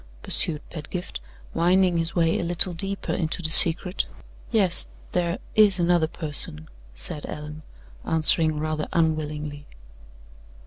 pursued Pedgift, winding his way a little deeper into the secret. "Yes; there is another person," said Allan, answering rather unwillingly.